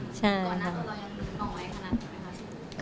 ก่อนหน้าตัวเรายังลึกน้อยขนาดนั้นใช่ไหมคะ